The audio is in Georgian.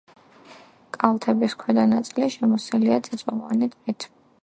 კალთების ქვედა ნაწილი შემოსილია წიწვოვანი ტყით.